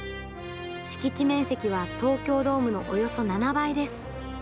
敷地面積は東京ドームのおよそ７倍です。